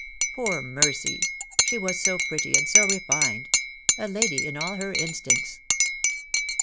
Poor Mercy! She was so pretty and so refined — a lady in all her instincts."